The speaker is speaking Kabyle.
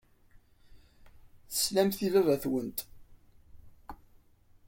Teslamt i baba-twent.